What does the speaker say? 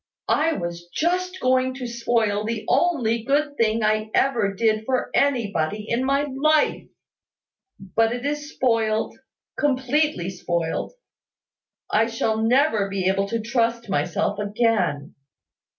I was just going to spoil the only good thing I ever did for anybody in my life. But it is spoiled completely spoiled. I shall never be able to trust myself again.